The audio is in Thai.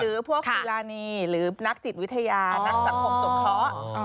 พวกสุรานีหรือนักจิตวิทยานักสังคมสงเคราะห์